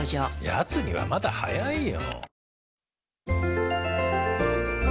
やつにはまだ早いよ。